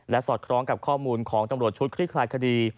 สอดคล้องกับข้อมูลของตำรวจชุดคลี่คลายคดี